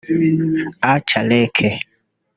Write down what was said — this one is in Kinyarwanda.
Acha Leke